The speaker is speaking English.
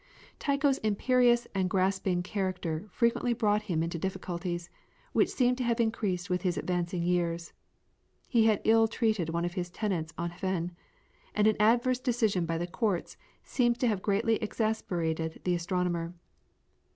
Tycho's imperious and grasping character frequently brought him into difficulties, which seem to have increased with his advancing years. He had ill treated one of his tenants on Hven, and an adverse decision by the courts seems to have greatly exasperated the astronomer.